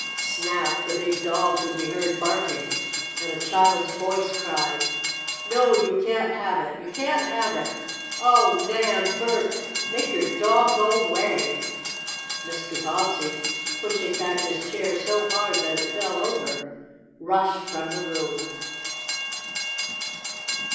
Snap, the big dog, could be heard barking, and a child's voice cried: "No, you can't have it! You can't have it! Oh, Nan! Bert! Make your dog go 'way!" Mr. Bobbsey, pushing back his chair so hard that it fell over, rushed from the room.